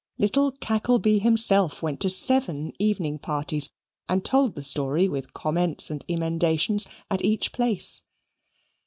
Little Cackleby himself went to seven evening parties and told the story with comments and emendations at each place.